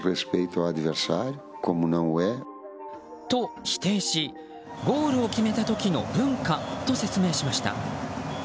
と、否定しゴールを決めた時の文化と説明しました。